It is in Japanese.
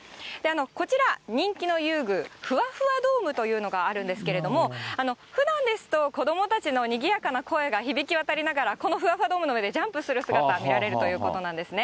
こちら、人気の遊具、ふわふわドームというのがあるんですけれども、ふだんですと子どもたちのにぎやかな声が響き渡りながら、このふわふわドームの上でジャンプする姿が見られるということなんですね。